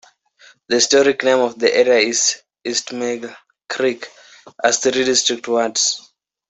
The historic name of the area is "East Mill Creek", as three distinct words.